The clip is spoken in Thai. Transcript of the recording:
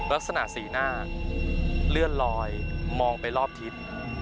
ลักษณะสีหน้าเลื่อนลอยมองไปรอบทิศ